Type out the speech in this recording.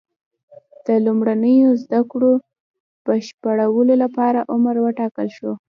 د لومړنیو زده کړو بشپړولو لپاره عمر وټاکل شو.